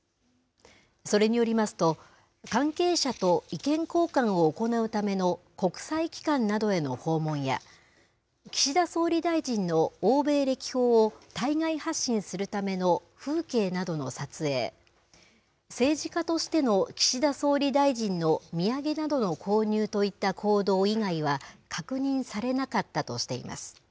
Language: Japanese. それによりますと、関係者と意見交換を行うための国際機関などへの訪問や、岸田総理大臣の欧米歴訪を対外発信するための風景などの撮影、政治家としての岸田総理大臣の土産などの購入といった行動以外は、確認されなかったとしています。